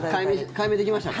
解明できましたか？